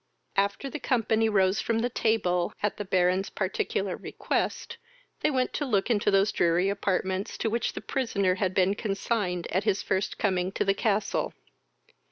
After the company rose from the table, at the Baron's particular request, they went to look into those dreary apartments to which the prisoner had been consigned at his first coming to the castle.